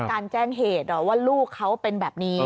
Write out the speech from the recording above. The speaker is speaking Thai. การแจ้งเหตุว่าลูกเขาเป็นแบบนี้